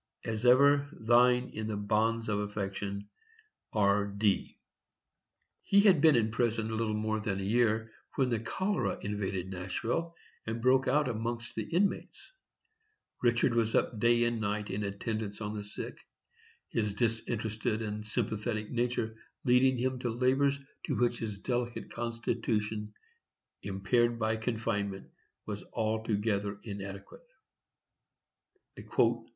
As ever, thine in the bonds of affection, R. D. He had been in prison little more than a year when the cholera invaded Nashville, and broke out among the inmates; Richard was up day and night in attendance on the sick, his disinterested and sympathetic nature leading him to labors to which his delicate constitution, impaired by confinement, was altogether inadequate.